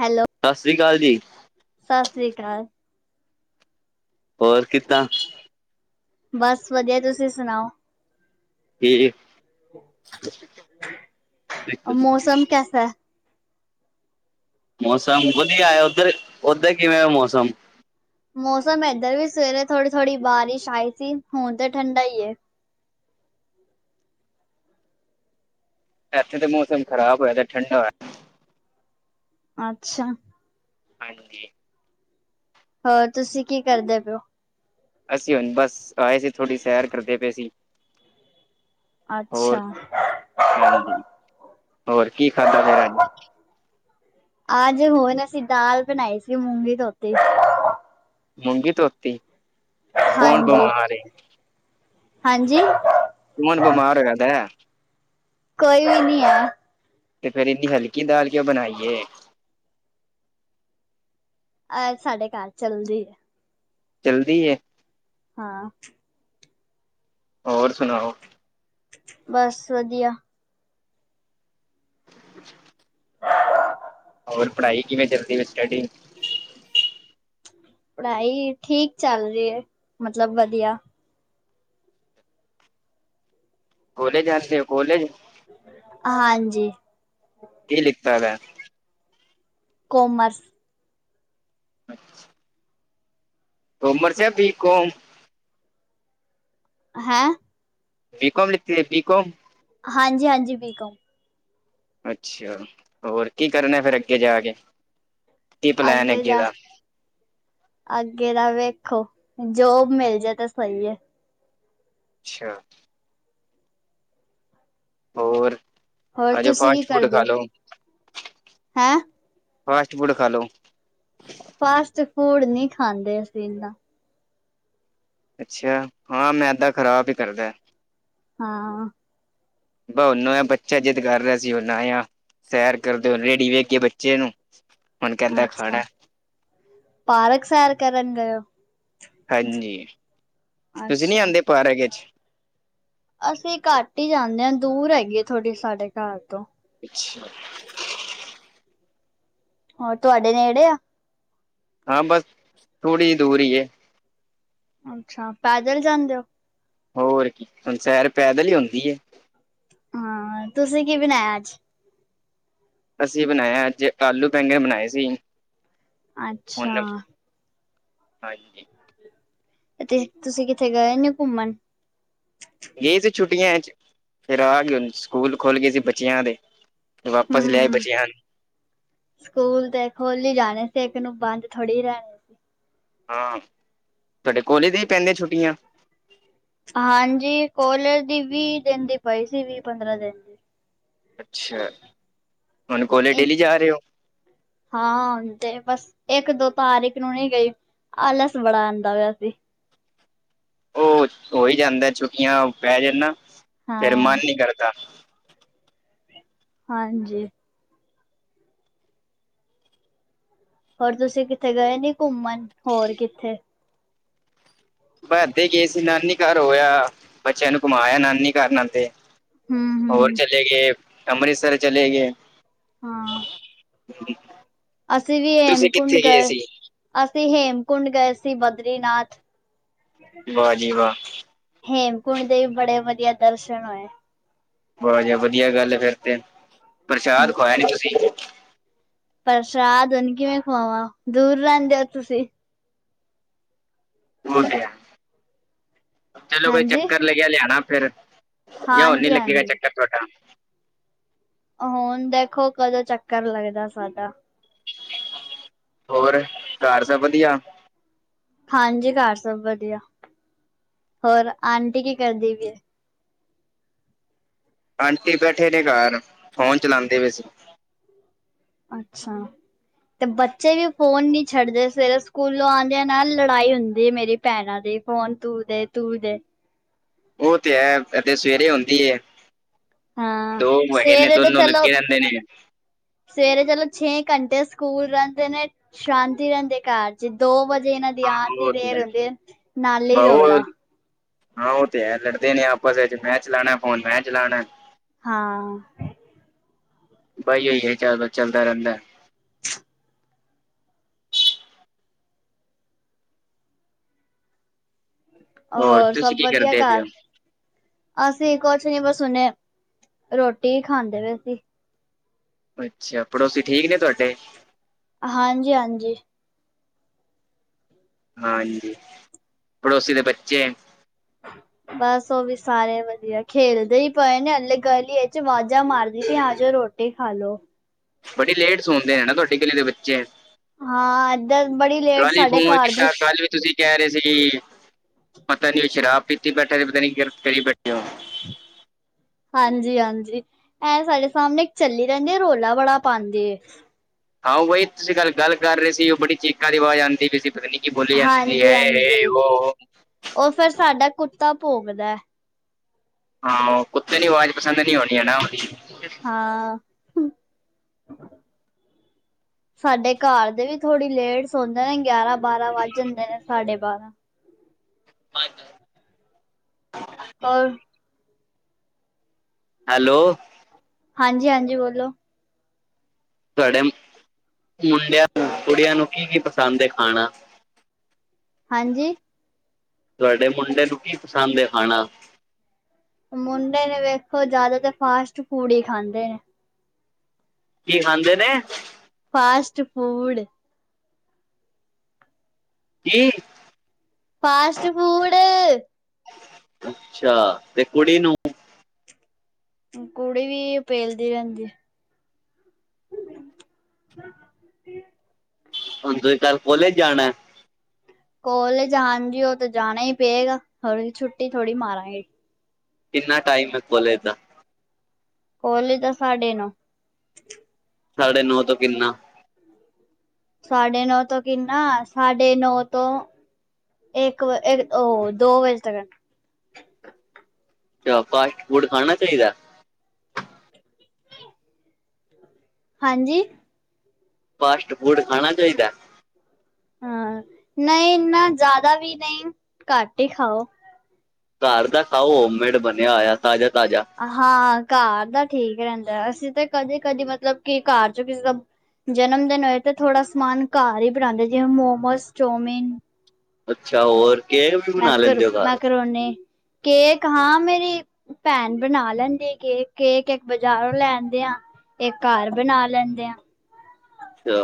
Hello. ਸਤਿ ਸ਼੍ਰੀ ਅਕਾਲ ਜੀ। ਸਸ ਸ਼੍ਰੀ ਕਾਲ। ਹੋਰ ਕਿੱਦਾਂ? ਬਸ, ਵਧੀਆ ਤੁਸੀਂ ਸੁਣਾਓ? ਠੀਕ ਮੌਸਮ ਕੈਸਾ ਐ? ਮੌਸਮ ਵਧੀਆ ਏ, ਉਧਰ-ਉਧਰ ਕਿਵੇਂ ਆ ਮੌਸਮ? ਮੌਸਮ ਏਦਾਂ ਵੀ ਸਵੇਰੇ ਥੋੜੀ-ਥੋੜ੍ਹੀ ਬਾਰਿਸ਼ ਆਈ ਸੀ, ਹੁਣ ਤਾਂ ਠੰਡਾ ਈ ਏ। ਇੱਥੇ ਤੇ ਮੌਸਮ ਖਰਾਬ ਹੋਇਆ ਪਿਆ ਠੰਡਾ ਹੋਇਆ। ਅੱਛਾ। ਹਾਂਜੀ। ਹੋਰ ਤੁਸੀਂ ਕੀ ਕਰਦੇ ਪਏ ਔ? ਅਸੀਂ ਹੁਣ ਬਸ, ਆਏ ਸੀ ਥੋਡੀ ਸੈਰ ਕਰਦੇ ਪਏ ਸੀ। ਅੱਛਾ ਹੋਰ ਹਾਂਜੀ, ਹੋਰ ਕੀ ਖਾਧਾ ਫਿਰ ਅੱਜ? ਆਜ ਹੁਣ ਅਸੀਂ ਦਾਲ ਬਣਾਈ ਸੀ, ਮੂੰਗੀ ਧੋਤੀ। ਮੂੰਗੀ ਧੋਤੀ, ਕੌਣ ਹਾਂਜੀ। ਬਿਮਾਰ ਏ। ਹਾਂਜੀ। ਕੌਣ ਬਿਮਾਰ ਹੋਇਆ ਪੈ। ਕੋਈ ਵੀ ਨੀ ਆ। ਤੇ ਫੇਰ ਇੰਨੀ ਹਲਕੀ ਦਾਲ ਕਿਉਂ ਬਣਾਈ ਏ? ਅ ਸਾਡੇ ਘਰ ਚੱਲਦੀ ਏ। ਚਲਦੀ ਏ। ਹਾਂ। ਹੋਰ ਸੁਣਾਓ। ਬਸ ਵਧੀਆ। [inaudible] ਹੋਰ ਪੜ੍ਹਾਈ ਕਿਵੇਂ ਚਲਦੀ ਐ ਸਟੱਡੀ? ਪੜ੍ਹਾਈ ਠੀਕ ਚੱਲ ਰਹੀ ਹੈ, ਮਤਲਬ ਵਧੀਆ। ਕੋਲਜ ਜਾਂਦੇ ਓ ਕੋਲਜ? ਹਾਂਜੀ ਇਹ ਲਿਤਾ ਵੈ। ਕੋਮਰਸ। ਅੱਛਾ। ਕੌਮਰਸ ਜਾ ਬੀ ਕੌਮ? ਹੈਂ ਬੀਕੋਮ ਲਿਤੀਐ ਬੀਕੋਮ? ਹਾਂਜੀ ਹਾਂਜੀ ਬੀਕੋਮ। ਅੱਛਾ ਹੋਰ ਕੀ ਕਰਨਾ ਫਿਰ ਅੱਗੇ ਜਾ ਕੇ? ਕੀ ਪਲੈਨ ਅੱਗੇ ਜਾ ਦਾ ਅੱਗੇ ਤਾਂ ਵੇਖੋ, ਜੋਬ ਮਿਲ ਜੇ ਤਾਂ ਸਹੀ ਏ। ਅੱਛਾ। ਹੋਰ ਹੋਰ ਆਜੋ ਤੁਸੀਂ ਕੀ ਫਾਸਟ ਫੂਡ ਕਰਦੇ ਖਾ ਹੋ ਲੋੋ? ਹੈਂ ਫਾਸਟ ਫੂਡ ਖਾ ਲੋ? ਫਾਸਟ ਫੂਡ ਨੀ ਖਾਂਦੇ ਅਸੀਂ ਇਨਾ। ਅੱਛਾ ਹਾਂ ਮੈਦਾ ਖ਼ਰਾਬ ਹੀ ਕਰਦਾ। ਹਾਂ ਬ ਹੁਣ ਆ ਬੱਚਾ ਜਿੱਦ ਕਰ ਰਿਹਾ ਸੀ ਹੁਣ ਆਏ ਆ। ਸੈਰ ਕਰਦੇ ਹੋ ਰੇੜੀ ਵੇਖ ਗਈ ਏ ਬੱਚੇ ਨੂੰ। ਹੁਣ ਕਹਿੰਦਾ ਅੱਛਾ ਖਾਣਾ ਪਾਰਕ ਸੈਰ ਕਰਨ ਗਏ ਹੋ। ਹਾਂਜੀ ਤੁਸੀਂ ਨੀ ਅੱਛਾ ਆਉਂਦੇ ਪਾਰਕ ਚ ਅਸੀਂ ਘੱਟ ਹੀ ਜਾਂਦੇ ਹਾਂ ਦੂਰ ਹੈਗੀ ਏ ਥੋੜੀ ਸਾਡੇ ਘਰ ਤੋਂ। ਅੱਛਾ ਹੋਰ ਤੁਹਾਡੇ ਨੇੜੇ ਆ? ਹਾਂ ਬਸ ਥੋੜ੍ਹੀ ਜੀ ਦੂਰ ਹੀ ਏ। ਅੱਛਾ ਪੈਦਲ ਜਾਂਦੇ ਹੋ। ਹੋਰ ਕੀ ਹੁਣ ਸੈਰ ਪੈਦਲ ਹੀ ਹੁੰਦੀ ਏ। ਹਾਂ ਤੁਸੀਂ ਕੀ ਬਣਾਇਆ ਅੱਜ? ਅਸੀਂ ਬਣਾਇਆ ਅੱਜ ਆਲੂ ਬੈਂਗਨ ਬਣਾਏ ਸੀ। ਹੁਣ ਅੱਛਾ ਹਾਂਜੀ ਤੇ ਤੁਸੀਂ ਕਿੱਥੇ ਗਏ ਨੀ ਘੁੰਮਣ। ਗਏ ਸੀ ਛੁੱਟੀਆਂ ਚ ਫਿਰ ਆ ਗੇ ਹੁਣ ਸਕੂਲ ਖੁਲ ਗਏ ਸੀ ਬੱਚਿਆਂ ਦੇ। ਵਾਪਸ ਲਿਆਏ ਹੂੰ ਬਚਿਆ ਨੂੰ। ਸਕੂਲ ਤੇ ਖੁੱਲ ਹੀ ਜਾਣੇ ਸੀ ਇੱਕ ਨੂੰ ਬੰਦ ਥੋੜ੍ਹੀ ਰਹਿਣੀ ਹਾਂ ਤੁਹਾਡੇ ਕੋਲੇਜ ਦੀ ਪੈਂਦੇ ਛੁੱਟੀਆਂ। ਹਾਂਜੀ ਕੋਲਰ ਦੀ ਵੀਹ ਦਿਨ ਦੀ ਪਈ ਸੀ ਵੀਹ ਪੰਦਰਾਂ ਦਿਨ ਦੀ। ਅੱਛਾ ਹੁਣ ਕੋਲੇਜ ਦੀ। ਡੇਲੀ ਜਾ ਰਹੇ ਹੋ। ਹਾਂ ਤੇ ਬਸ ਇੱਕ-ਦੋ ਤਾਰੀਖ ਨੂੰ ਨੀ ਗਈ। ਆਲਸ ਬੜਾ ਆਂਦਾ ਪਿਆ ਸੀ। ਉਹ ਹੋ ਹੀ ਜਾਂਦਾ ਛੁੱਟੀਆਂ ਪੈ ਜਾਣ ਨਾ ਫੇਰ ਹਾਂ। ਮਨ ਨੀ ਕਰਦਾ। ਹਾਂਜੀ ਹੋਰ ਤੁਸੀਂ ਕਿੱਥੇ ਗਏ ਨੀ ਘੁੰਮਣ ਹੋਰ ਕਿੱਥੇ? ਬਸ ਇੱਥੇ ਹੀ ਗਏ ਸੀ ਨਾਨੀ ਘਰ ਹੋਇਆ ਬੱਚਿਆਂ ਨੂੰ ਘੁਮਾਇਆ ਨਾਨੀ ਘਰ ਨਾਦੇ। ਹੋਰ ਹੂੰ-ਹੂੰ। ਚਲੇ ਗੇ ਅੰਮ੍ਰਿਤਸਰ ਚਲੇ ਗੇ। ਹਾਂ [inaudible] ਅਸੀਂ ਵੀ ਤੁਸੀਂ ਹੇਮਕੁੰਡ ਕਿੱਥੇ ਗਏ ਸੀ ਅਸੀਂ ਹੇਮਕੁੰਡ ਗਏ ਸੀ ਬਦਰੀਨਾਥ। ਵਾਹ ਜੀ ਵਾਹ ਹੇਮਕੁੰਟ ਦੇ ਵੀ ਬੜੇ ਵਧੀਆ ਦਰਸ਼ਨ ਹੋਏ। ਬਹੁ ਜ ਵਧੀਆ ਗੱਲ ਏ ਫੇਰ ਤੇ ਪ੍ਰਸ਼ਾਦ ਹੂੰ ਖਵਾਇਆ ਨੀ ਤੁਸੀ। ਪ੍ਰਸ਼ਾਦ ਹੁਣ ਕਿਵੇਂ ਖਵਾਵਾਂ ਦੂਰ ਰਹਿੰਦੇ ਹੋ ਤੁਸੀਂ। ਹੋ ਗਿਆ ਚਲੋ ਕੋਈ ਹਾਂਜੀ ਚੱਕਰ ਲਗਿਆ ਲਿਆਣਾ ਫੇਰ। ਯਾ ਹੁਣ ਨੀ ਹਾਂਜੀ ਲੱਗੇਗਾ ਹਾਂਜੀ ਚੱਕਰ ਤੁਹਾਡਾ। ਹੁਣ ਦੇਖੋ ਕਦੋਂ ਚੱਕਰ ਲੱਗਦਾ ਸਾਡਾ। ਹੋਰ ਘਰ ਸਭ ਵਧੀਆ। ਹਾਂਜੀ ਘਰ ਸਭ ਵਧੀਆ, ਹੋਰ ਆਂਟੀ ਕੀ ਕਰਦੀ ਪੀ ਏ। ਆਂਟੀ ਬੈਠੇ ਨੇ ਘਰ ਫੋਨ ਚਲਾਉਂਦੇ ਪੈ ਸੀ। ਅੱਛਾ ਤੇ ਬੱਚੇ ਵੀ ਫੋਨ ਨੀ ਛੱਡਦੇ ਸਵੇਰੇ ਸਕੂਲੋਂ ਆਂਦਿਆਂ ਨਾਲ ਲੜਾਈ ਹੁੰਦੀ ਆ ਮੇਰੀ। ਭੈਣਾਂ ਦੇ ਫੋਨ ਤੂੰ ਦੇ ਤੂੰ ਦੇ ਉਹ ਤੇ ਹੈ ਏ ਤੇ ਸਵੇਰੇ ਹੁੰਦੀ ਐ। ਹਾਂ ਦੋ [unintelligible] ਨੇ ਸਵੇਰੇ ਤਾਂ ਦੋਨੋਂ ਚਲੋ ਲੱਗੇ ਰਹਿੰਦੇ ਨੇ। ਸਵੇਰੇ ਚਲੋ ਛੇ ਘੰਟੇ ਸਕੂਲ ਰਹਿੰਦੇ ਨੇ। ਸ਼ਾਂਤੀ ਰਹਿੰਦੇ ਘਰ ਚ ਦੋ ਵਜੇ ਇਹਨਾਂ ਦੀ ਆਣ ਦੀ ਉਹ ਤੇ ਦੇਰ ਹੈ ਹੁੰਦੀ ਐ ਨਾਲੇ ਬਹੁ ਰੌਲਾ ਹਾਂ ਉਹ ਤੇ ਹੈ ਲੜਦੇ ਨੇ ਆਪਸ ਵਿੱਚ ਮੈਂ ਚਲਾਣਾ ਫੋਨ ਮੈਂ ਚਲਾਣਾ। ਹਾਂ, ਬਾਈ ਇਹੀ [unintelligible] ਚੱਲਦਾ ਰਹਿੰਦਾ। ਹੋਰ ਸਭ ਤੁਸੀਂ ਕੀ ਵਧੀਆ ਕਰਦੇ ਪਏ ਘਰ ਅਸੀਂ ਕੁਛ ਨੀ ਬਸ ਹੁਣੇ ਰੋਟੀ ਈ ਖਾਂਦੇ ਪਏ ਸੀ। ਅੱਛਾ ਪੜੋਸੀ ਠੀਕ ਨੇ ਤੁਹਾਡੇ। ਹਾਂਜੀ-ਹਾਂਜੀ। ਹਾਂ, ਹਾਂਜੀ ਪੜੋਸੀ ਦੇ ਬੱਚੇ। [inaudible] ਬਸ ਉਹ ਵੀ ਸਾਰੇ ਵਧੀਆ ਖੇਲਦੇ ਈ ਪਏ ਨੇ ਅਲੇ ਗਲੀ ਵਿੱਚ ਵਾਜਾਂ ਮਾਰਦੀ ਆਜੋ ਰੋਟੀ ਖਾਲੋ। ਬੜੀ ਲੇਟ ਸੌਂਦੇ ਆ ਨਾ ਤੁਹਾਡੀ ਗਲੀ ਦੇ ਬੱਚੇ। ਹਾਂ ਇਧਰ ਬੜੀ ਲੇਟ ਕੱਲ ਹੀ ਸਾਡੇ ਫੋਨ ਘਰ ਦੇ ਕੀਤਾ ਕੱਲ ਵੀ ਤੁਸੀਂ ਕਹਿ ਰਹੇ ਸੀ ਪਤਾ ਨੀ ਓ ਸ਼ਰਾਬ ਪੀਤੀ ਬੈਠੇ ਤੇ ਪਤਾ ਨੀ ਕਰੀ ਬੈਠੇ ਹੋਣ। ਹਾਂਜੀ-ਹਾਂਜੀ, ਐਨ ਸਾਡੇ ਸਾਹਮਣੇ ਚੱਲੀ ਰਹਿੰਦੀ ਆ ਰੋਲਾ ਬੜਾ ਪਾਂਦੀ ਐ। ਹਾਂ ਉਹ ਬਹੀ ਤੁਸੀਂ ਗੱਲ ਗੱਲ ਕਰ ਰਹੇ ਸੀ ਉਹ ਬੜੀ ਚੀਕਾਂ ਦੀ ਆਵਾਜ਼ ਆਂਦੀ ਪਈ ਵੀ ਪਤਾ ਨੀ। ਕੀ ਬੋਲੀ ਜਾਂਦੀ ਸੀ ਐ ਐ ਓ ਓ ਫੇਰ ਸਾਡਾ ਕੁੱਤਾ ਭੋਗਦਾ। ਹਾਂ, ਕੁੱਤੇ ਨੂੰ ਆਵਾਜ਼ ਪਸੰਦ ਨੀ ਹੋਣੀ ਹਨਾ। ਹਾਂ, ਸਾਡੇ ਘਰ ਦੇ ਵੀ ਥੋੜ੍ਹੀ ਲੇਟ ਸੌਦੇ ਨੇ ਗਿਆਰਾਂ ਬਾਰਾਂ ਵੱਜ ਜਾਂਦੇ ਨੇ ਸਾਡੇ ਬਾਰਾਂ। [unintelligible] ਔਰ ਹੈਲੋ, ਹਾਂਜੀ ਹਾਂਜੀ ਬੋਲੋ। ਤੁਹਾਡੇ ਮੁੰਡਿਆਂ ਨੂੰ ਕੁੜੀਆਂ ਨੂੰ ਕੀ ਕੀ ਪਸੰਦ ਐ ਖਾਣਾ? ਹਾਂਜੀ। ਤੁਹਾਡੇ ਮੁੰਡੇ ਨੂੰ ਕੀ ਪਸੰਦ ਐ ਖਾਣਾ। ਮੁੰਡੇ ਨੇ ਵੇਖੋ ਜ਼ਿਆਦਾ ਤਾਂ ਫਾਸਟ ਫੂਡ ਈ ਖਾਂਦੇ ਨੇ। ਕੀ ਖਾਂਦੇ ਨੇ? Fast food. ਕੀ? Fast food. ਅੱਛਾ ਤੇ ਕੁੜੀ ਨੂੰ? ਕੁੜੀ ਵੀ ਪੇਲਦੀ ਰਹਿੰਦੀ। [inaudible] ਹੁਣ ਤੁਸੀਂ ਕੱਲ ਕੋਲੇਜ ਜਾਣਾ। ਕੋਲੇਜ ਹਾਂਜੀ ਉਹ ਤਾਂ ਜਾਣਾ ਈ ਪਏਗਾ ਹੁਣ ਛੁੱਟੀ ਥੋੜ੍ਹੀ ਮਾਰਾਂਗੀ। ਕਿੰਨਾ ਟਾਈਮ ਐ ਕੋਲੇਜ ਦਾ। ਕੋਲੇਜ ਦਾ ਸਾਢੇ ਨੌ। ਸਾਢੇ ਨੌ ਤੋਂ ਕਿੰਨਾ? ਸਾਢੇ ਨੌ ਤੋਂ ਕਿੰਨਾ, ਸਾਢੇ ਨੌ ਤੋਂ ਏੱਕ ਵ ਏੱਕ ਓ ਦੋ ਵਜੇ ਤੱਕ ਹੈ। ਕਯਾ ਫਾਸਟ ਫੂਡ ਖਾਣਾ ਚਾਈਦੈ? ਹਾਂਜੀ। ਫਾਸਟ ਫੂਡ ਖਾਣਾ ਚਾਈਦੈ? ਹਾਂ ਨਈ ਇੰਨਾ ਜਾਦਾ ਵੀ ਨਈ ਘੱਟ ਈ ਖਾਓ। ਘਰ ਦਾ ਖਾਓ ਹੋਮਮੇਡ ਬਣਿਆ ਹੋਏਆ ਤਾਜ਼ਾ-ਤਾਜ਼ਾ। ਹਾਂ ਘਾਰ ਦਾ ਠੀਕ ਰੈਂਦੈ ਅਸੀ ਤੇ ਕਦੇ ਕਦੀ ਮਤਲਬ ਕਿ ਘਾਰ 'ਚੋਂ ਕਿਸੇ ਦਾ ਜਨਮ ਦਿਨ ਹੋਏ ਤੇ ਥੋੜਾ ਸਮਾਨ ਘਾਰ ਹੀ ਬਨਾਂਦੇ ਜਿਵੇਂ ਮੋਮੋਸ, ਚੋਮਿਨ ਅੱਛਾ, ਹੋਰ ਕੇਕ ਵੀ ਬਣਾ ਲੈਂਦਾ ਓ ਘਾਰ? ਬੀ ਓਨੇ ਕੇਕ ਹਾਂ ਮੇਰੀ ਪੈਂਨ ਬਣਾ ਲੈਂਦੀ ਏ ਕੇਕ। ਕੇਕ ਏੱਕ ਬਜਾਰੋਂ ਲੈਣਦੇ ਆਂ ਏੱਕ ਘਾਰ ਬਣਾ ਲੈਂਦੇ ਆਂ। ਅੱਛਾ।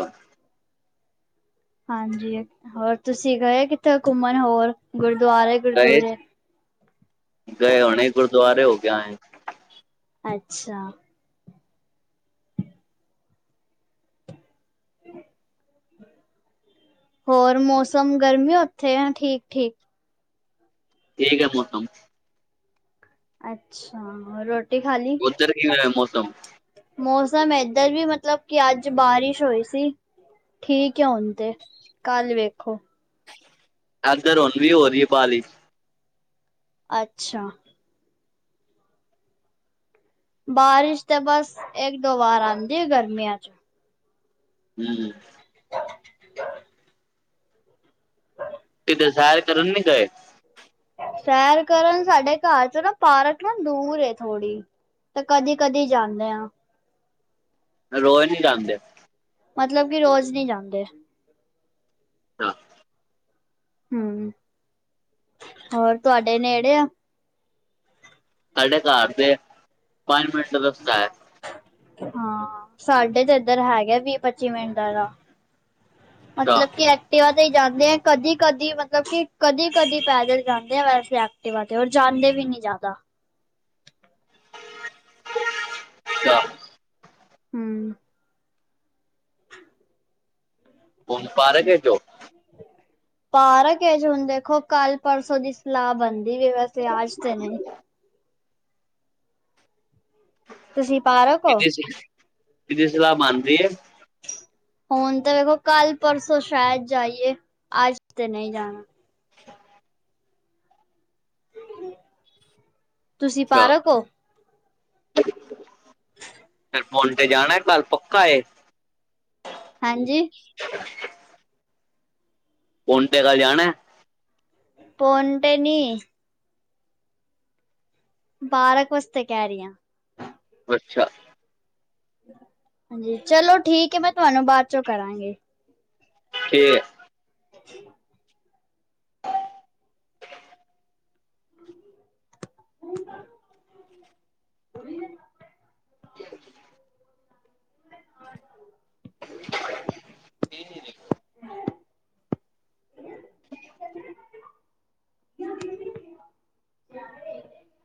ਹਾਂਜੀ, ਹੋਰ ਤੁਸੀ ਗਏ ਕਿੱਥੇ ਘੁੰਮਣ ਹੋਰ, ਗੁਰਦੁਆਰੇ? ਗੁਰਦੁਆਰੇ [unintelligible] ਗਏ ਹੁਣੇ ਗੁਰਦੁਆਰੇ ਹੋ ਕੇ ਆਏ ਅੰ। ਅੱਛਾ। [unintelligible] ਹੋਰ ਮੌਸਮ ਗਰਮੀ ਏ ਓਥੇ ਅਂ ਠੀਕ-ਠੀਕ। ਤੇਜ ਐ ਮੌਸਮ। ਅੱਛਾ। ਰੋਟੀ ਖਾ ਲੀ? ਓਧਰ ਕਿਵੇਂ ਦਾ ਐ ਮੌਸਮ? ਮੌਸਮ ਏਧਰ ਵੀ ਮਤਲਬ ਕਿ ਅੱਜ ਬਾਰੀਸ਼ ਹੋਈ ਸੀ। ਠੀਕ ਐ ਹੁਣ ਤੇ, ਕਾੱਲ ਵੇਖੋ। ਐਧਰ ਹੁਣ ਵੀ ਹੋ ਰੀ ਏ ਬਾਰਿਸ਼। ਅੱਛਾ। ਬਾਰਿਸ਼ ਤਾਂ ਬਸ ਏੱਕ ਦੋ ਵਾਰ ਆਂਦੀ ਗਰਮੀਆਂ ਏੱਚ। ਹੂੰ। [unintelligible] ਕਿਧਰੇ ਸੈਰ ਕਰਨ ਨੀ ਗਏ? ਸੈਰ ਕਰਨ, ਸਾਡੇ ਘਾਰ 'ਚੋਂ ਨਾ ਪਾਰਕ ਨਾ ਦੂਰ ਏ ਥੋੜੀ। ਤੇ ਕਦੀ-ਕਦੀ ਜਾਂਦੇ ਆਂ। ਰੋਜ ਨੀ ਜਾਂਦੇ। ਮਤਲਬ ਕਿ ਰੋਜ ਨੀ ਜਾਂਦੇ। ਨਾ। ਹੂੰ, ਹੋਰ ਤੁਆਡੇ ਨੇੜੇ ਆ? ਸਾਡੇ ਘਰ ਦੇ, ਪੰਜ ਮਿੰਟ ਦਾ ਰਸਤਾ ਐ। ਹਾਂ, ਸਾਡੇ ਤੇ ਏਧਰ ਹੈਗੈ ਵੀ-ਪੱਚੀ ਮਿੰਟ ਦਾ ਰਾਅ। ਅੱਛਾ ਮਤਲਬ ਕੈ ਤੇ ਆ ਤੇ ਈ ਜਾਂਦੇ ਐਂ ਕਦੀ-ਕਦੀ ਮਤਲਬ ਕਿ ਕਦੀ-ਕਦੀ ਪੈਦਲ ਜਾਂਦੇ ਐਂ ਵੈਸੇ ਤੇ [unintelligible] ਹੋਰ ਜਾਂਦੇ ਵੀ ਨੀ ਜਾਦਾ। [unintelligible] ਹੂੰ। ਹੁਣ ਪਾਰਕ ਇਚ। ਪਾਰ ਕਿਜ ਹੁਣ ਦੇਖੋ ਕੱਲ ਪਰਸੋਂ ਦੀ ਸਲਾਹ ਬਣਦੀ ਹੈ ਵੈਸੇ ਆਜ ਤੇ ਨਹੀਂ। ਤੁਸੀਂ ਪਾਰਕ, ਹੋ ਕਿਦੀ, ਸ ਕਿਦੀ ਸਲਾਹ ਮੰਨਦੀ ਹੈ। ਹ ਹੁਣ ਤਾਂ ਵੇਖੋ ਕੱਲ ਪਰਸੋਂ ਸ਼ਾਇਦ ਜਾਈਏ ਅੱਜ ਤੇ ਨਹੀਂ ਜਾਣਾ। ਤੁਸੀਂ ਅੱਛਾ ਪਾਰਕ ਹੋ? ਫੇਰ ਹੁਨ ਤੇ ਜਾਣਾ ਏ ਕੱਲ ਪੱਕਾ ਹੈ। ਹਾਂਜੀ? ਹ [inaudible] ਹੁਣ ਣ ਤੇੇ ਕੱਲ ਜਾਣਾ ਏ। ਹੁਣ ਤੇ ਨੀ। ਪਾਰਕ ਵਾਸਤੇ ਕਹਿ ਰੀਆਂ। ਅੱਛਾ। ਹਾਂਜੀ ਚਲੋ ਠੀਕ ਹੈ ਮੈਂ ਤੁਹਾਨੂੰ ਬਾਅਦ ਚੋਂ ਕਰਾਂਗੀ। ਠੀਕ ਹੈ। ਹਾਂਜੀ। ਹ [inaudible] ਹੋ ਗੀ। ਕੀ [inaudible] ਪੀ ਨੀ ਦੇਖੋ। ਕਿ [inaudible]